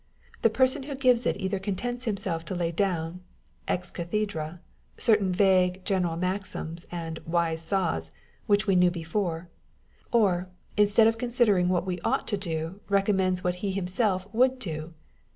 The person who gives it either contents himself to lay down (ex cathedra) certain vague, general maxims, and " wise saws," which we knew before ; or, instead of con sidering what we ought to do, recommends what he himself would do.